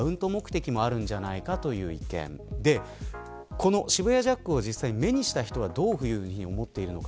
この渋谷ジャックを実際に目にした人はどのように思っているのか。